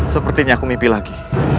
sepertinya aku mimpi lagi